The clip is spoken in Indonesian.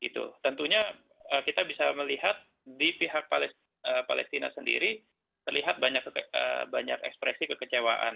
tentunya kita bisa melihat di pihak palestina sendiri terlihat banyak ekspresi kekecewaan